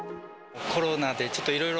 コロナでちょっといろいろ、